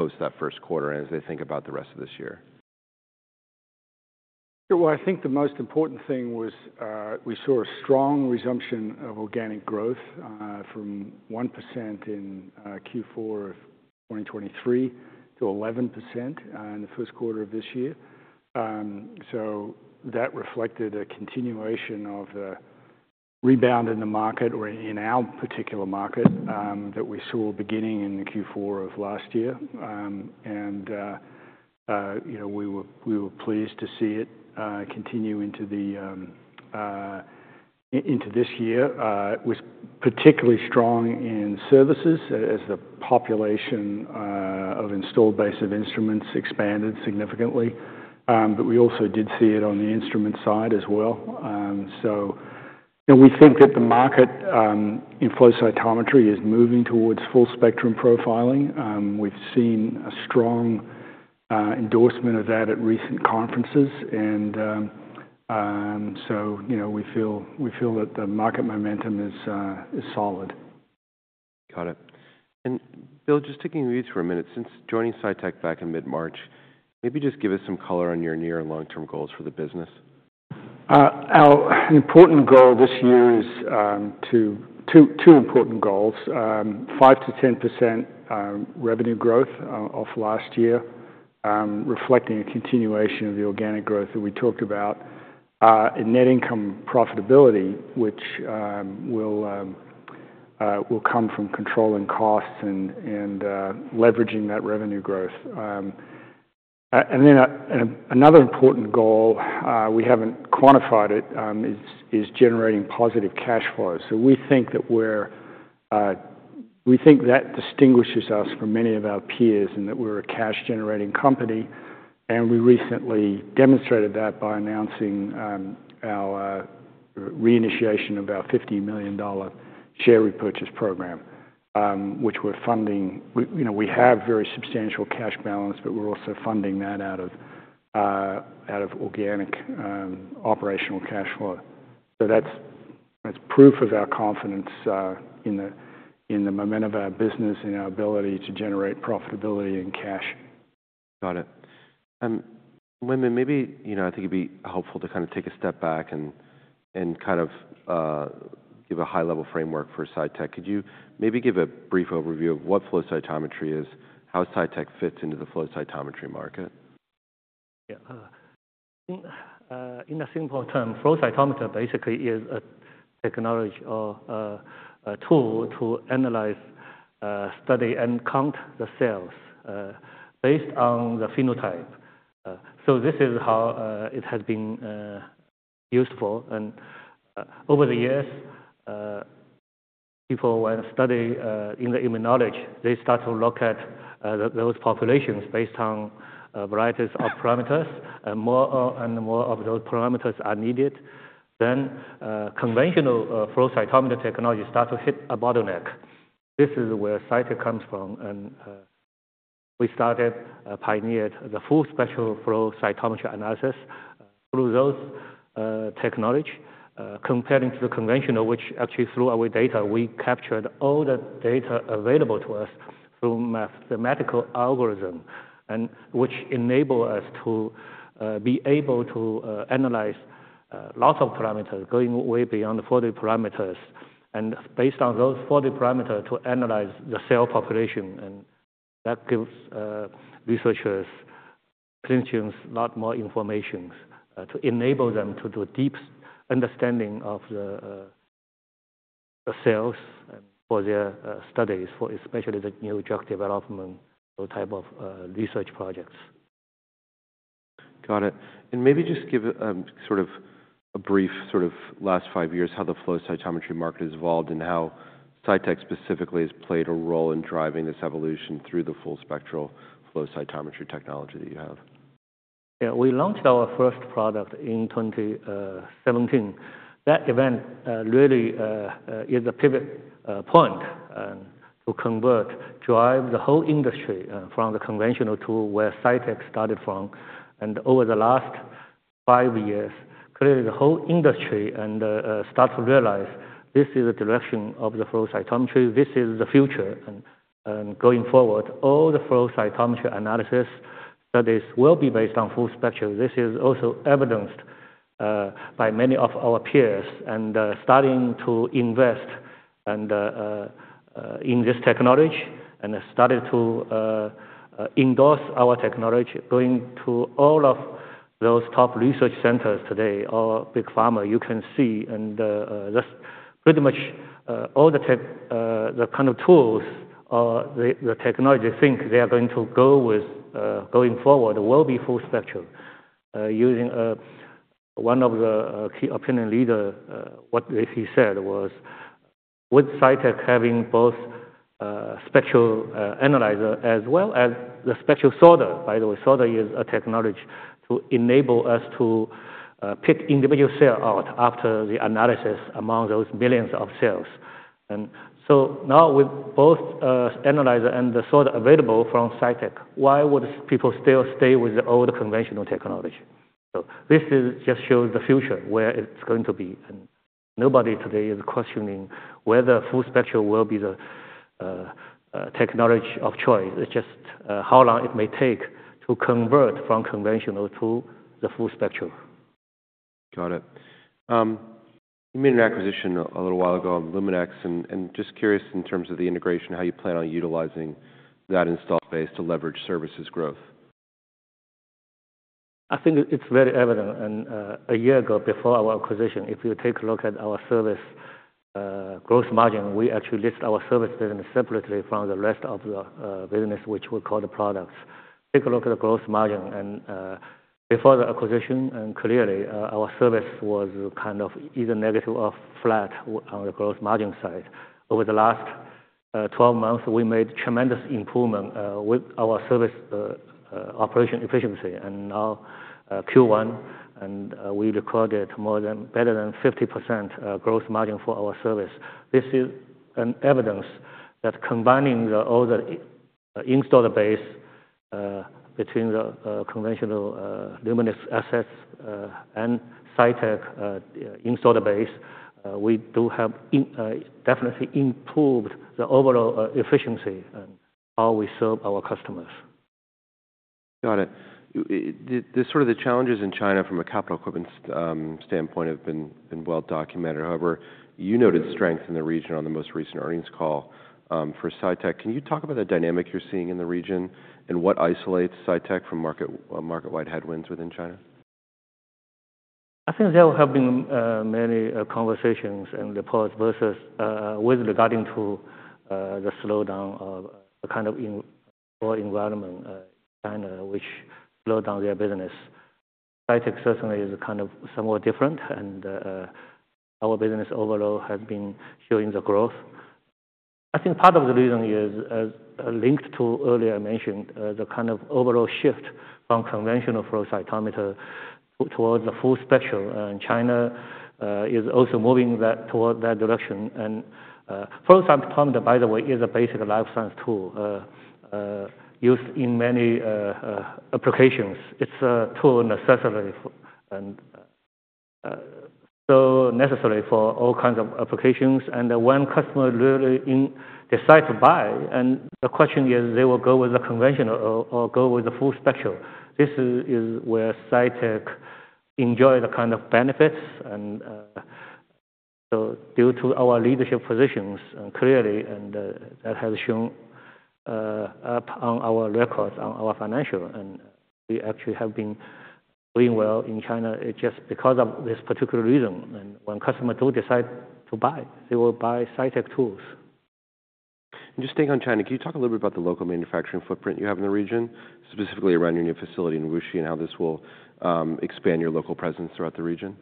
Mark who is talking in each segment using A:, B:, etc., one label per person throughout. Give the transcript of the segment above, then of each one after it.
A: close that first quarter and as they think about the rest of this year?
B: Well, I think the most important thing was we saw a strong resumption of organic growth from 1% in Q4 of 2023 to 11% in the first quarter of this year. So that reflected a continuation of the rebound in the market or in our particular market that we saw beginning in the Q4 of last year. And you know, we were pleased to see it continue into this year. It was particularly strong in services as the population of installed base of instruments expanded significantly. But we also did see it on the instrument side as well. So, and we think that the market in flow cytometry is moving towards Full Spectrum Profiling. We've seen a strong endorsement of that at recent conferences, and so, you know, we feel, we feel that the market momentum is solid.
A: Got it. And Bill, just taking you for a minute. Since joining Cytek back in mid-March, maybe just give us some color on your near and long-term goals for the business.
B: Our important goal this year is two important goals. 5%-10% revenue growth off last year, reflecting a continuation of the organic growth that we talked about in net income profitability, which will come from controlling costs and leveraging that revenue growth. And then another important goal we haven't quantified is generating positive cash flow. So we think that we're, we think that distinguishes us from many of our peers, and that we're a cash-generating company, and we recently demonstrated that by announcing our reinitiation of our $50 million share repurchase program, which we're funding. We, you know, we have very substantial cash balance, but we're also funding that out of organic operational cash flow. So that's proof of our confidence in the momentum of our business and our ability to generate profitability and cash.
A: Got it. Wenbin, maybe, you know, I think it'd be helpful to kind of take a step back and kind of give a high-level framework for Cytek. Could you maybe give a brief overview of what flow cytometry is, how Cytek fits into the flow cytometry market?
C: Yeah. In a simple term, flow cytometer basically is a technology or a tool to analyze, study and count the cells based on the phenotype. So this is how it has been useful. And over the years, people were study in the immunology, they start to look at those populations based on varieties of parameters, and more and more of those parameters are needed. Then conventional flow cytometer technology start to hit a bottleneck. This is where Cytek comes from, and we started pioneered the full spectral flow cytometry analysis through those technology. Comparing to the conventional, which actually through our data, we captured all the data available to us through mathematical algorithm, and which enable us to, be able to, analyze, lots of parameters, going way beyond the 40 parameters. And based on those 40 parameters, to analyze the cell population, and that gives, researchers, clinicians, a lot more informations, to enable them to do a deep understanding of the, the cells and for their, studies, for especially the new drug development type of, research projects.
A: Got it. Maybe just give a sort of brief, sort of last five years, how the flow cytometry market has evolved and how Cytek specifically has played a role in driving this evolution through the full spectrum flow cytometry technology that you have.
C: Yeah. We launched our first product in 2017. That event really is a pivot point to convert drive the whole industry from the conventional to where Cytek started from. And over the last five years, clearly, the whole industry and start to realize this is the direction of the flow cytometry, this is the future. And going forward, all the flow cytometry analysis studies will be based on full spectrum. This is also evidenced by many of our peers and starting to invest in this technology and started to endorse our technology. Going to all of those top research centers today or big pharma, you can see, and that's pretty much all the tech, the kind of tools or the technology think they are going to go with going forward, will be full spectrum. Using one of the key opinion leader what he said was, with Cytek having both spectral analyzer as well as the spectral sorter. By the way, sorter is a technology to enable us to pick individual cell out after the analysis among those billions of cells. And so now with both analyzer and the sorter available from Cytek, why would people still stay with the old conventional technology? So this is just shows the future, where it's going to be, and... Nobody today is questioning whether full spectrum will be the technology of choice. It's just how long it may take to convert from conventional to the full spectrum.
A: Got it. You made an acquisition a little while ago of Luminex, and, and just curious in terms of the integration, how you plan on utilizing that installed base to leverage services growth?
C: I think it's very evident, and a year ago, before our acquisition, if you take a look at our service gross margin, we actually list our service business separately from the rest of the business, which we call the products. Take a look at the gross margin and before the acquisition, and clearly our service was kind of either negative or flat on the gross margin side. Over the last 12 months, we made tremendous improvement with our service operation efficiency. And now Q1, and we recorded better than 50% gross margin for our service. This is an evidence that combining all the installed base between the conventional Luminex assets and Cytek installed base, we do have definitely improved the overall efficiency and how we serve our customers.
A: Got it. The sort of challenges in China from a capital equipment standpoint have been well documented. However, you noted strength in the region on the most recent earnings call for Cytek. Can you talk about the dynamic you're seeing in the region, and what isolates Cytek from market-wide headwinds within China?
C: I think there have been many conversations and reports with regard to the slowdown of a kind of poor environment in China, which slowed down their business. Cytek certainly is kind of somewhat different, and our business overall has been showing the growth. I think part of the reason is, as I mentioned earlier, the kind of overall shift from conventional flow cytometer toward the full spectrum, and China is also moving toward that direction. Flow cytometer, by the way, is a basic life science tool used in many applications. It's a tool so necessary for all kinds of applications, and when customer really decide to buy, the question is: Will they go with the conventional or go with the full spectrum? This is where Cytek enjoy the kind of benefits and, so due to our leadership positions, and clearly, and, that has shown up on our records, on our financial, and we actually have been doing well in China. It's just because of this particular reason, and when customer do decide to buy, they will buy Cytek tools.
A: Just staying on China, can you talk a little bit about the local manufacturing footprint you have in the region, specifically around your new facility in Wuxi, and how this will expand your local presence throughout the region?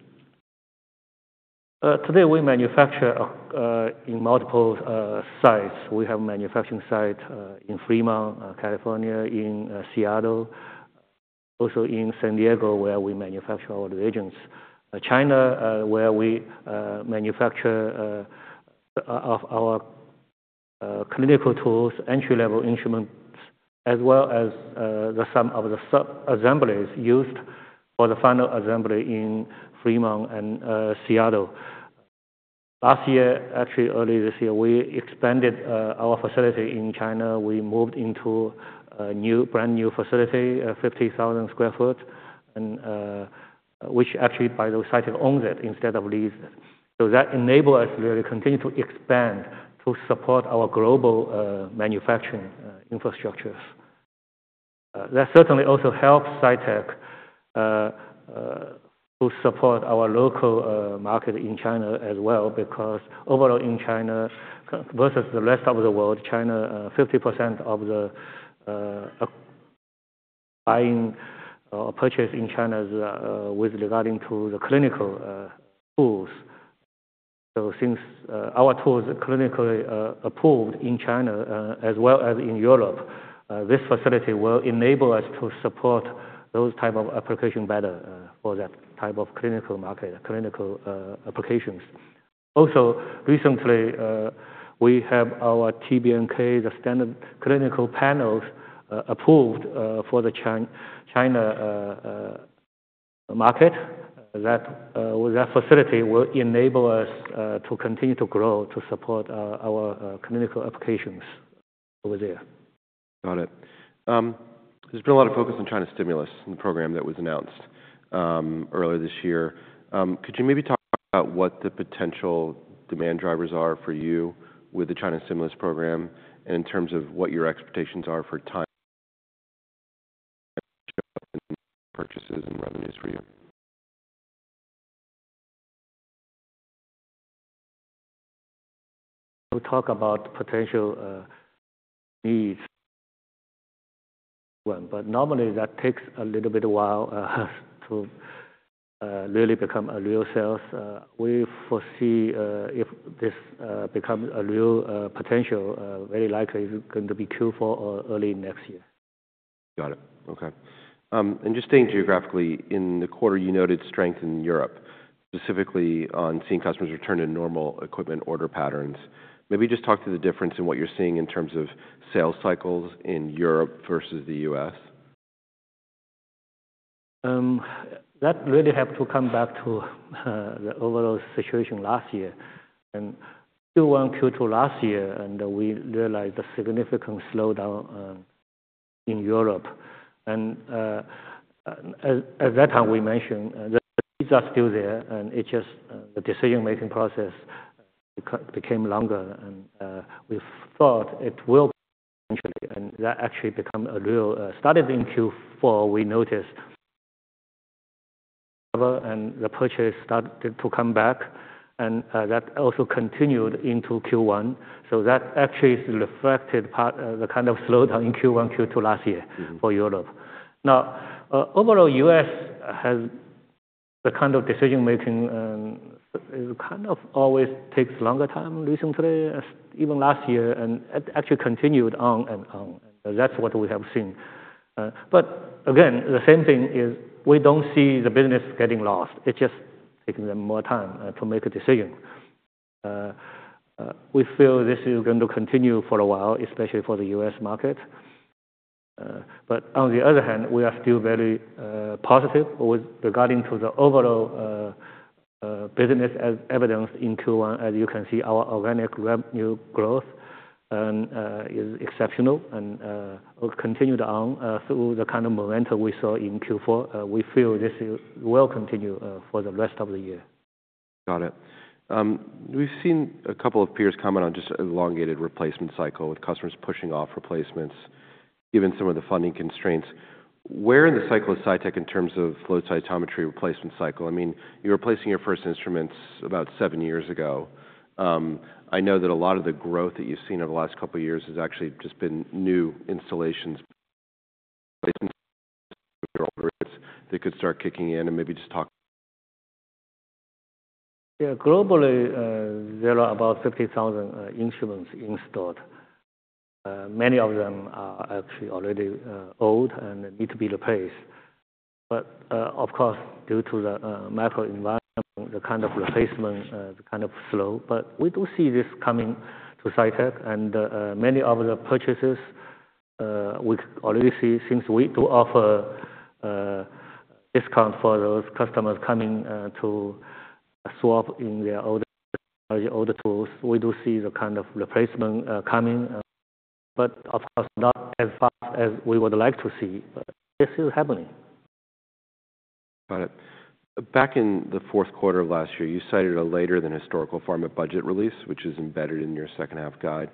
C: Today, we manufacture in multiple sites. We have manufacturing site in Fremont, California, in Seattle, also in San Diego, where we manufacture all the reagents. China, where we manufacture of our clinical tools, entry-level instruments, as well as the some of the sub-assemblies used for the final assembly in Fremont and Seattle. Last year, actually, early this year, we expanded our facility in China. We moved into a new, brand-new facility, 50,000 sq ft, and which actually, by the way, Cytek owns it instead of lease it. So that enable us really continue to expand to support our global manufacturing infrastructures. That certainly also helps Cytek to support our local market in China as well, because overall in China versus the rest of the world, China 50% of the buying or purchasing in China is with regarding to the clinical tools. So since our tools are clinically approved in China, as well as in Europe, this facility will enable us to support those type of application better for that type of clinical market, clinical applications. Also, recently, we have our TBNK, the standard clinical panels, approved for the China market. That, with that facility, will enable us to continue to grow, to support our clinical applications over there.
A: Got it. There's been a lot of focus on China's stimulus and the program that was announced earlier this year. Could you maybe talk about what the potential demand drivers are for you with the China stimulus program in terms of what your expectations are for time, purchases and revenues for you?
C: We talk about potential needs. Well, but normally, that takes a little bit of while to really become a real sales. We foresee if this becomes a real potential, very likely is going to be Q4 or early next year.
A: Got it. Okay. And just staying geographically, in the quarter, you noted strength in Europe, specifically on seeing customers return to normal equipment order patterns. Maybe just talk through the difference in what you're seeing in terms of sales cycles in Europe versus the U.S.?...
C: That really have to come back to the overall situation last year. Q1, Q2 last year, and we realized a significant slowdown in Europe. At that time, we mentioned that things are still there, and it just the decision-making process became longer. We thought it will, and that actually become a real... Started in Q4, we noticed, and the purchase started to come back, and that also continued into Q1. So that actually reflected part the kind of slowdown in Q1, Q2 last year-
A: Mm-hmm.
C: For Europe. Now, overall, the U.S. has the kind of decision making, and it kind of always takes longer time recently, as even last year, and it actually continued on and on. That's what we have seen. But again, the same thing is we don't see the business getting lost. It's just taking them more time to make a decision. We feel this is going to continue for a while, especially for the U.S. market. But on the other hand, we are still very positive with regarding to the overall business as evidenced in Q1. As you can see, our organic revenue growth and is exceptional, and we've continued on through the kind of momentum we saw in Q4. We feel this will continue for the rest of the year.
A: Got it. We've seen a couple of peers comment on just elongated replacement cycle, with customers pushing off replacements, given some of the funding constraints. Where in the cycle is Cytek in terms of flow cytometry replacement cycle? I mean, you're replacing your first instruments about seven years ago. I know that a lot of the growth that you've seen over the last couple of years has actually just been new installations- They could start kicking in and maybe just talk-
C: Yeah. Globally, there are about 50,000 instruments installed. Many of them are actually already old and need to be replaced. But, of course, due to the macro environment, the kind of replacement kind of slow, but we do see this coming to Cytek. And, many of the purchases we already see since we do offer discount for those customers coming to swap in their older, older tools. We do see the kind of replacement coming, but of course, not as fast as we would like to see. But this is happening.
A: Got it. Back in the fourth quarter of last year, you cited a later than historical pharma budget release, which is embedded in your second half guide.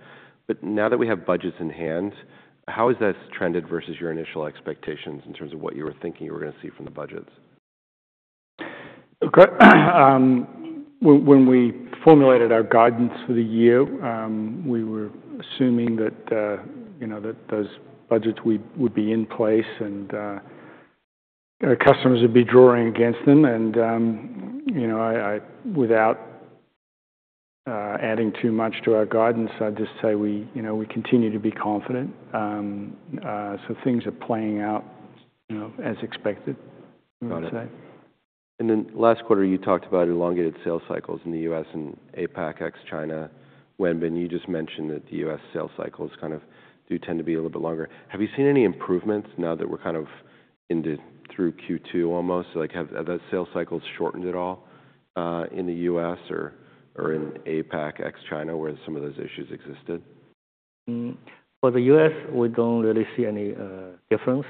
A: But now that we have budgets in hand, how has that trended versus your initial expectations in terms of what you were thinking you were going to see from the budgets?
B: Okay. When we formulated our guidance for the year, we were assuming that, you know, that those budgets would be in place and, our customers would be drawing against them. You know, I, without adding too much to our guidance, I'd just say we, you know, we continue to be confident. So things are playing out, you know, as expected, I would say.
A: Got it. And then last quarter, you talked about elongated sales cycles in the U.S. and APAC, ex China. Wenbin, you just mentioned that the U.S. sales cycles kind of do tend to be a little bit longer. Have you seen any improvements now that we're kind of into through Q2, almost? Like, have the sales cycles shortened at all, in the U.S. or in APAC, ex China, where some of those issues existed?
C: For the U.S., we don't really see any difference.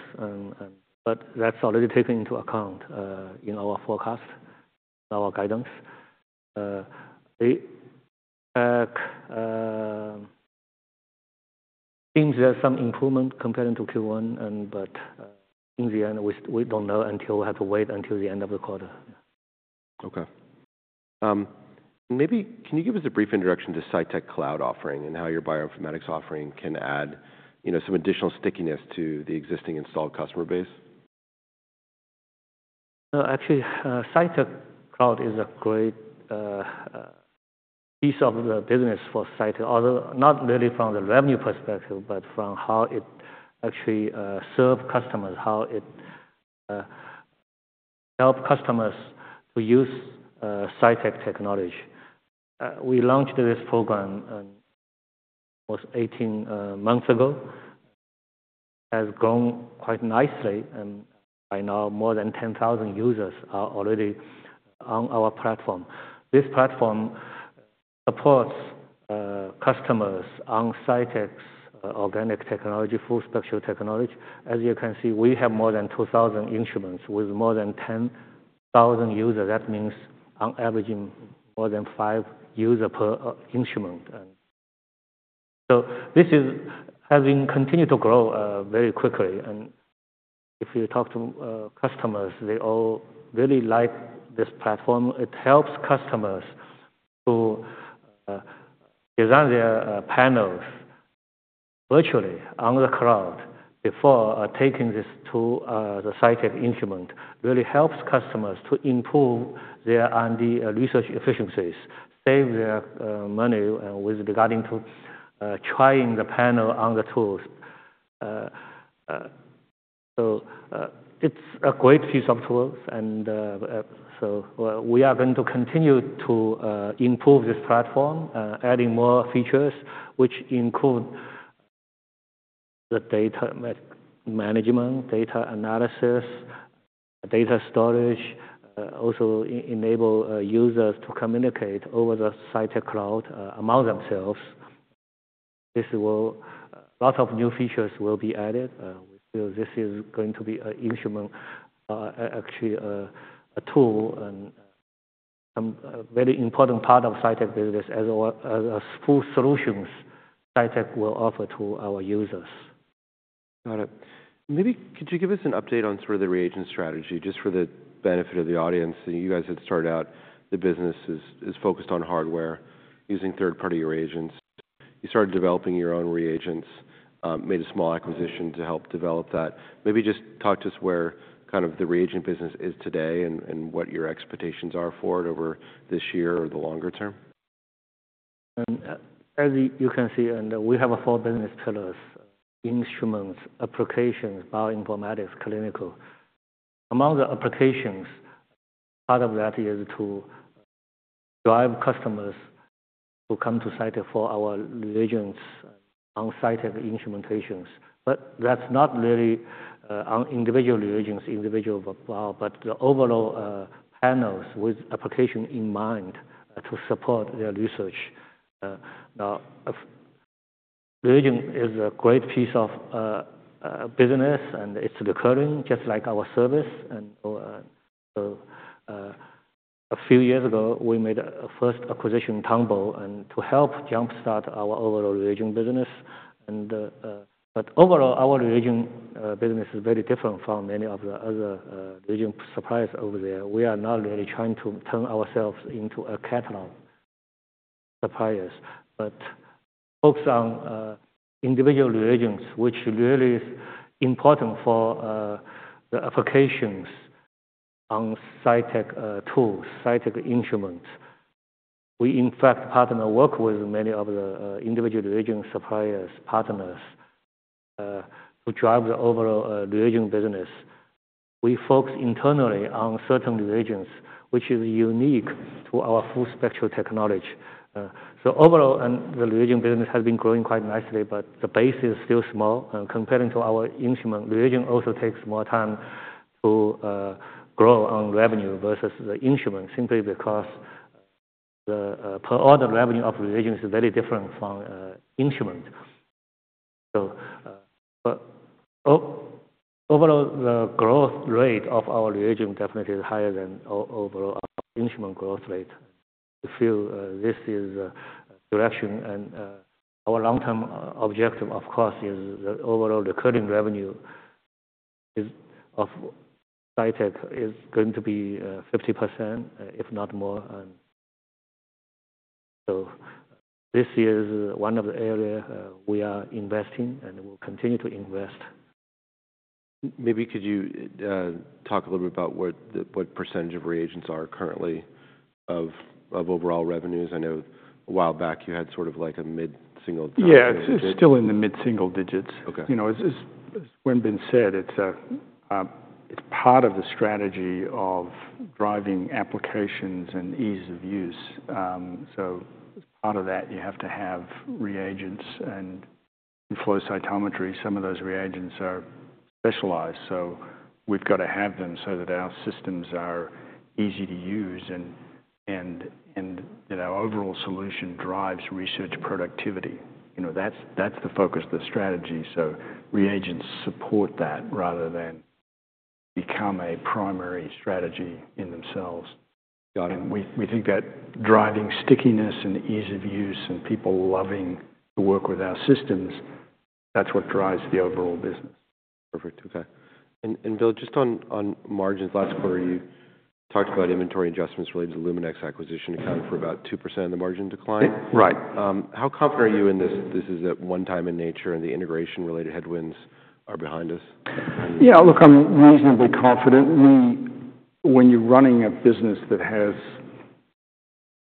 C: But that's already taken into account in our forecast, our guidance. APAC seems there's some improvement compared to Q1, but in the end, we don't know until we have to wait until the end of the quarter.
A: Okay. Maybe can you give us a brief introduction to Cytek Cloud offering and how your bioinformatics offering can add, you know, some additional stickiness to the existing installed customer base?
C: Actually, Cytek Cloud is a great piece of the business for Cytek, although not really from the revenue perspective, but from how it actually serve customers, how it help customers to use Cytek technology. We launched this program was 18 months ago, has grown quite nicely, and by now, more than 10,000 users are already on our platform. This platform supports customers on Cytek's organic technology, full spectrum technology. As you can see, we have more than 2,000 instruments with more than 10,000 users. That means on averaging more than five user per instrument. And so this is having continued to grow very quickly, and if you talk to customers, they all really like this platform. It helps customers to design their panels virtually on the cloud before taking this to the Cytek instrument. Really helps customers to improve their R&D research efficiencies, save their money with regarding to trying the panel on the tools. So it's a great piece of tools, and so we are going to continue to improve this platform, adding more features, which include the data management, data analysis, data storage, also enable users to create over the Cytek Cloud among themselves. This will. Lots of new features will be added. We feel this is going to be an instrument, actually, a tool and a very important part of Cytek business as well as full solutions Cytek will offer to our users.
A: Got it. Maybe could you give us an update on sort of the reagent strategy, just for the benefit of the audience? You guys had started out the business as, as focused on hardware using third-party reagents. You started developing your own reagents, made a small acquisition to help develop that. Maybe just talk to us where kind of the reagent business is today and, and what your expectations are for it over this year or the longer term.
C: As you can see, and we have 4 business pillars: instruments, applications, bioinformatics, clinical. Among the applications, part of that is to drive customers who come to Cytek for our reagents on Cytek instrumentations. But that's not really on individual reagents, individual profile, but the overall panels with application in mind to support their research. Now, reagent is a great piece of business, and it's recurring, just like our service. And so a few years ago, we made a first acquisition, Tonbo, and to help jumpstart our overall reagent business. And but overall, our reagent business is very different from many of the other reagent suppliers over there. We are not really trying to turn ourselves into a catalog suppliers, but focus on individual reagents, which really is important for the applications on Cytek tools, Cytek instruments. We, in fact, partner work with many of the individual reagent suppliers, partners to drive the overall reagent business. We focus internally on certain reagents, which is unique to our full spectral technology. So overall, the reagent business has been growing quite nicely, but the base is still small, comparing to our instrument. Reagent also takes more time to grow on revenue versus the instrument, simply because the per order revenue of reagents is very different from instrument. So, but overall, the growth rate of our reagent definitely is higher than overall our instrument growth rate. We feel this is direction and our long-term objective, of course, is the overall recurring revenue is... of Cytek is going to be 50%, if not more. So this is one of the areas we are investing and will continue to invest.
A: Maybe could you talk a little bit about what the, what percentage of reagents are currently of overall revenues? I know a while back you had sort of like a mid-single-
B: Yeah, it's still in the mid-single digits.
A: Okay.
B: You know, as Wenbin said, it's part of the strategy of driving applications and ease of use. So part of that, you have to have reagents and flow cytometry. Some of those reagents are specialized, so we've got to have them so that our systems are easy to use and that our overall solution drives research productivity. You know, that's the focus, the strategy. So reagents support that rather than become a primary strategy in themselves.
A: Got it.
B: We think that driving stickiness and ease of use and people loving to work with our systems, that's what drives the overall business.
A: Perfect. Okay. And Bill, just on margins, last quarter, you talked about inventory adjustments related to the Luminex acquisition, accounting for about 2% of the margin decline.
B: Right.
A: How confident are you in this, this is a one-time in nature and the integration-related headwinds are behind us?
B: Yeah, look, I'm reasonably confident. We - when you're running a business that has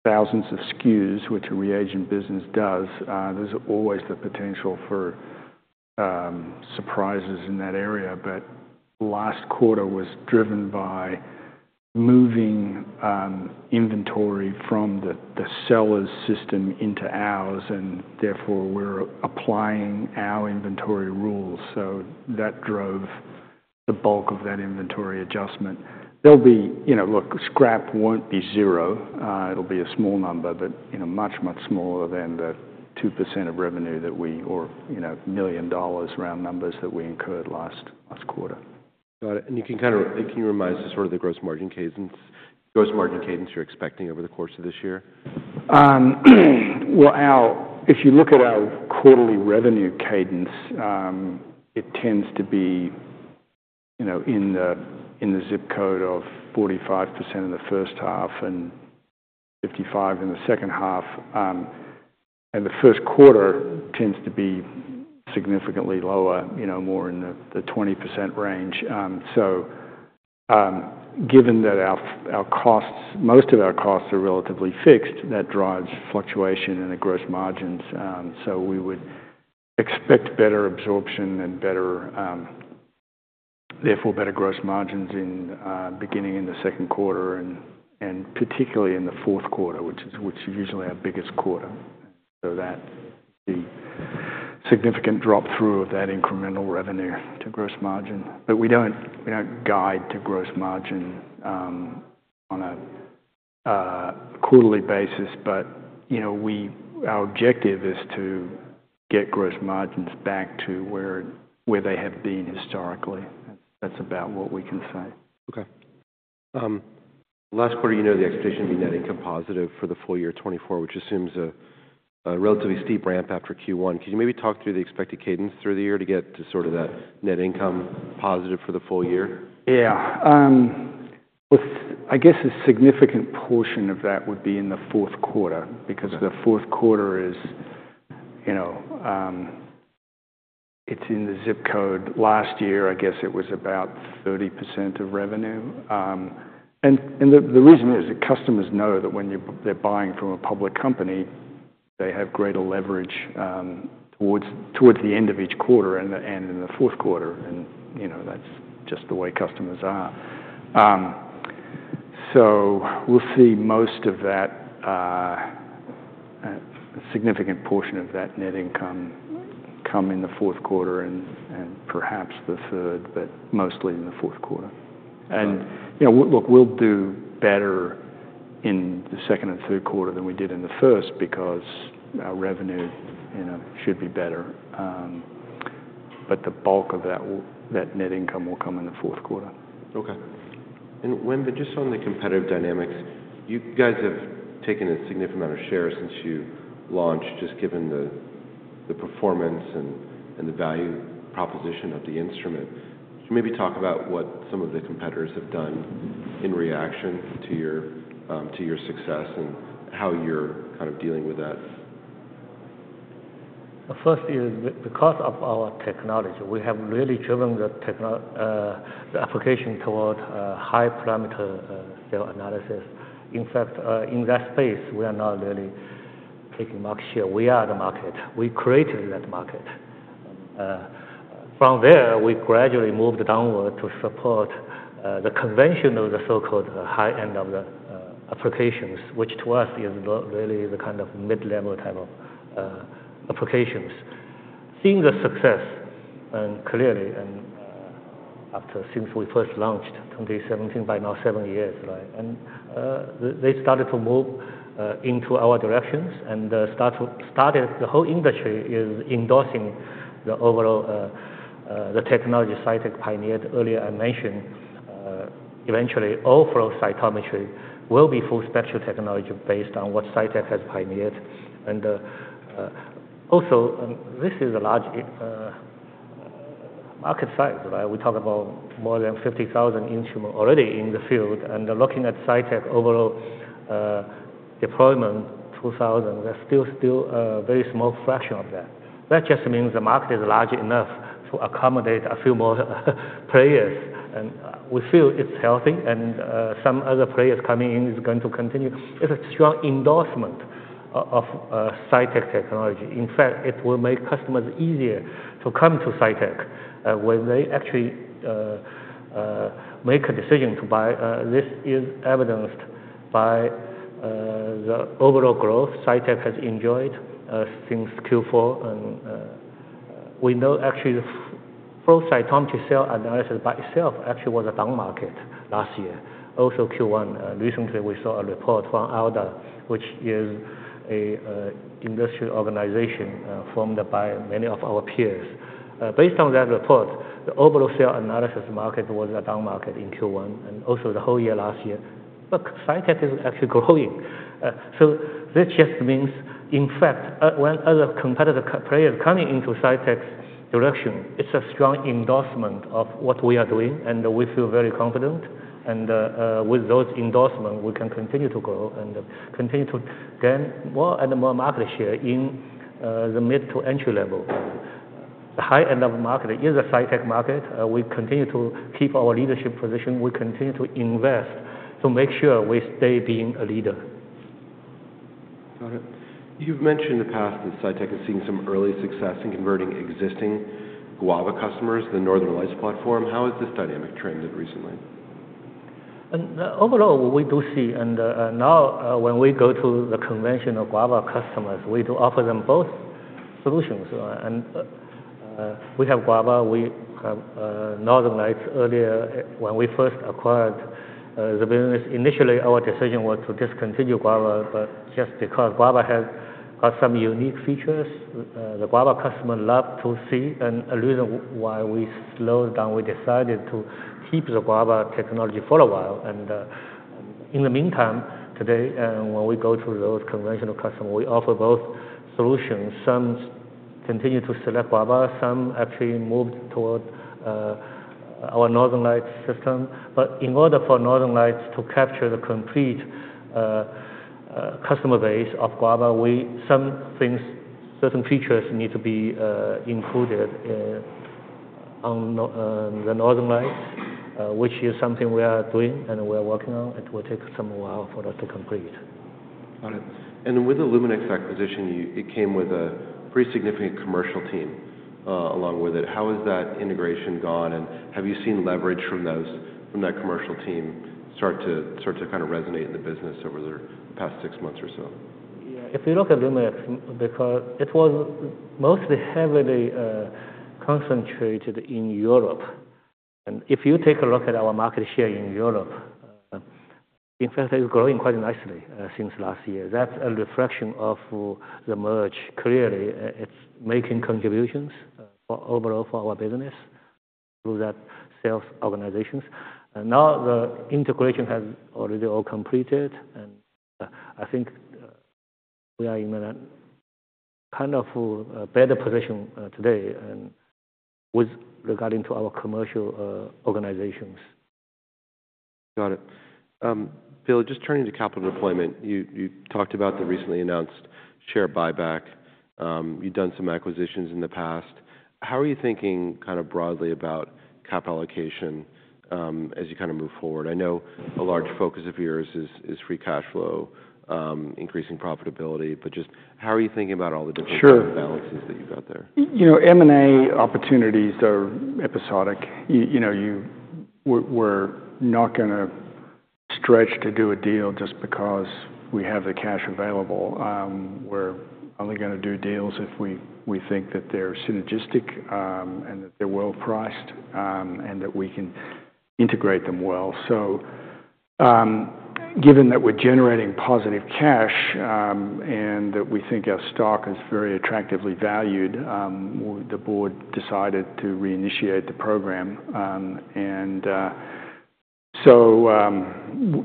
B: thousands of SKUs, which a reagent business does, there's always the potential for surprises in that area. But last quarter was driven by moving inventory from the seller's system into ours, and therefore, we're applying our inventory rules. So that drove the bulk of that inventory adjustment. There'll be... You know, look, scrap won't be zero, it'll be a small number, but, you know, much, much smaller than the 2% of revenue that we or, you know, $1 million round numbers that we incurred last, last quarter.
A: Got it. Can you remind us of sort of the gross margin cadence, gross margin cadence you're expecting over the course of this year?
B: Well, if you look at our quarterly revenue cadence, it tends to be, you know, in the zip code of 45% in the first half and 55% in the second half. And the first quarter tends to be significantly lower, you know, more in the 20% range. So, given that our costs, most of our costs are relatively fixed, that drives fluctuation in the gross margins. So we would expect better absorption and better, therefore, better gross margins beginning in the second quarter and particularly in the fourth quarter, which is usually our biggest quarter. So that the significant drop through of that incremental revenue to gross margin. But we don't guide to gross margin on a quarterly basis, but, you know, our objective is to get gross margins back to where they have been historically. That's about what we can say.
A: Okay. Last quarter, you know, the expectation be net income positive for the full year 2024, which assumes a relatively steep ramp after Q1. Can you maybe talk through the expected cadence through the year to get to sort of that net income positive for the full year?
B: Yeah. With, I guess, a significant portion of that would be in the fourth quarter-
A: Okay.
B: Because the fourth quarter is, you know, it's in the zip code. Last year, I guess, it was about 30% of revenue. And the reason is that customers know that when they're buying from a public company, they have greater leverage towards the end of each quarter and in the fourth quarter, and you know, that's just the way customers are. So we'll see most of that, a significant portion of that net income come in the fourth quarter and perhaps the third, but mostly in the fourth quarter.
A: Okay.
B: You know, look, we'll do better in the second and third quarter than we did in the first, because our revenue, you know, should be better. But the bulk of that net income will come in the fourth quarter.
A: Okay. And Wen, but just on the competitive dynamics, you guys have taken a significant amount of shares since you launched, just given the performance and the value proposition of the instrument. Can you maybe talk about what some of the competitors have done in reaction to your success, and how you're kind of dealing with that?
C: The first is because of our technology, we have really driven the technology, the application toward high-parameter cell analysis. In fact, in that space, we are not really taking market share. We are the market. We created that market. From there, we gradually moved downward to support the conventional, the so-called high-end of the applications, which to us is not really the kind of mid-level type of applications. Seeing the success, and clearly, and, after since we first launched in 2017, by now seven years, right? And they started to move into our directions and started. The whole industry is endorsing the overall the technology Cytek pioneered earlier. I mentioned eventually, all flow cytometry will be full spectral technology based on what Cytek has pioneered. This is a large market size, right? We talk about more than 50,000 instruments already in the field, and looking at Cytek overall deployment, 2,000, there's still a very small fraction of that. That just means the market is large enough to accommodate a few more players, and we feel it's healthy and some other players coming in is going to continue. It's a strong endorsement of Cytek technology. In fact, it will make customers easier to come to Cytek when they actually make a decision to buy. This is evidenced by the overall growth Cytek has enjoyed since Q4. We know actually the flow cytometry cell analysis by itself actually was a down market last year. Also, Q1, recently we saw a report from ALDA, which is a industry organization formed by many of our peers. Based on that report, the overall cell analysis market was a down market in Q1, and also the whole year last year. But Cytek is actually growing. So this just means, in fact, when other competitive players coming into Cytek's direction, it's a strong endorsement of what we are doing, and we feel very confident. And, with those endorsement, we can continue to grow and continue to gain more and more market share in the mid to entry level. The high-end level market is a Cytek market. We continue to keep our leadership position. We continue to invest to make sure we stay being a leader.
A: Got it. You've mentioned in the past that Cytek is seeing some early success in converting existing Guava customers, the Northern Lights platform. How has this dynamic trended recently?
C: Overall, we do see, and now, when we go to the conventional Guava customers, we do offer them both solutions. And we have Guava, we have Northern Lights. Earlier, when we first acquired the business, initially, our decision was to discontinue Guava, but just because Guava has got some unique features, the Guava customer loved to see, and a reason why we slowed down, we decided to keep the Guava technology for a while. And in the meantime, today, when we go to those conventional customers, we offer both solutions. Some continue to select Guava, some actually moved toward our Northern Lights system. But in order for Northern Lights to capture the complete customer base of Guava, some things, certain features need to be included on the Northern Lights, which is something we are doing and we are working on. It will take some while for that to complete....
A: Got it. And with the Luminex acquisition, you, it came with a pretty significant commercial team, along with it. How has that integration gone, and have you seen leverage from those, from that commercial team start to kind of resonate in the business over the past six months or so?
C: Yeah, if you look at Luminex, because it was mostly heavily concentrated in Europe, and if you take a look at our market share in Europe, in fact, it was growing quite nicely since last year. That's a reflection of the merge. Clearly, it's making contributions for overall for our business through that sales organizations. And now the integration has already all completed, and I think we are in a kind of a better position today and with regarding to our commercial organizations.
A: Got it. Bill, just turning to capital deployment. You, you talked about the recently announced share buyback. You've done some acquisitions in the past. How are you thinking kind of broadly about capital allocation, as you kind of move forward? I know a large focus of yours is, is free cash flow, increasing profitability, but just how are you thinking about all the different-
B: Sure
A: -balances that you've got there?
B: You know, M&A opportunities are episodic. You know, we're not gonna stretch to do a deal just because we have the cash available. We're only gonna do deals if we think that they're synergistic, and that they're well-priced, and that we can integrate them well. So, given that we're generating positive cash, and that we think our stock is very attractively valued, the board decided to reinitiate the program. And, so,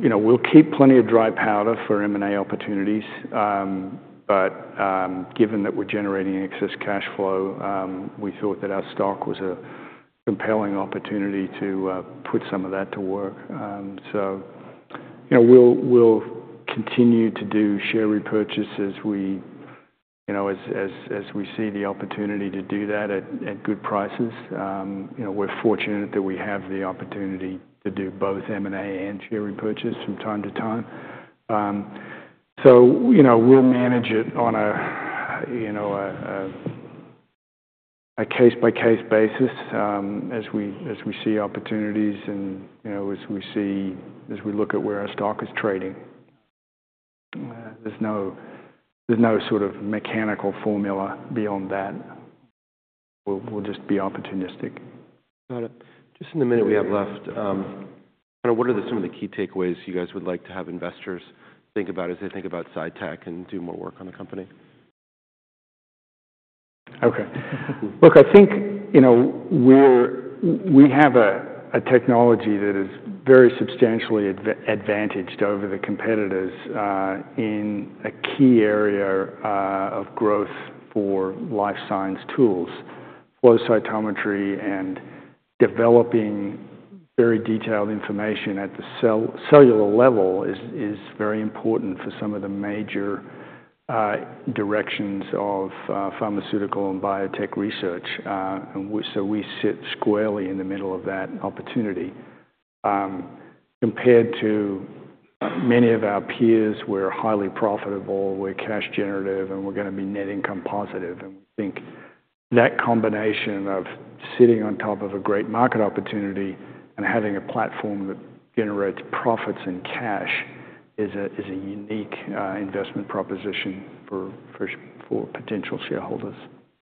B: you know, we'll keep plenty of dry powder for M&A opportunities. But, given that we're generating excess cash flow, we thought that our stock was a compelling opportunity to put some of that to work. So, you know, we'll continue to do share repurchases. We, you know, as we see the opportunity to do that at good prices. You know, we're fortunate that we have the opportunity to do both M&A and share repurchase from time to time. So, you know, we'll manage it on a case-by-case basis, as we see opportunities and, you know, as we look at where our stock is trading. There's no sort of mechanical formula beyond that. We'll just be opportunistic.
A: Got it. Just in the minute we have left, what are some of the key takeaways you guys would like to have investors think about as they think about Cytek and do more work on the company?
B: Okay. Look, I think, you know, we have a technology that is very substantially advantaged over the competitors in a key area of growth for life science tools. Flow cytometry and developing very detailed information at the cellular level is very important for some of the major directions of pharmaceutical and biotech research. So we sit squarely in the middle of that opportunity. Compared to many of our peers, we're highly profitable, we're cash generative, and we're gonna be net income positive. And we think that combination of sitting on top of a great market opportunity and having a platform that generates profits and cash is a unique investment proposition for potential shareholders.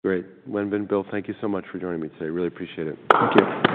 A: Great! Wenbin, Bill, thank you so much for joining me today. Really appreciate it.
B: Thank you.